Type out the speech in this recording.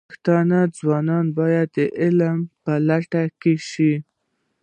پښتانه ځوانان باید د علم په لټه کې شي.